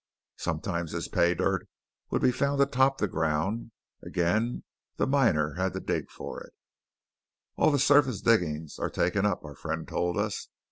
Sometimes this "pay dirt" would be found atop the ground. Again, the miner had to dig for it. "All the surface diggings are taken up," our friend told us.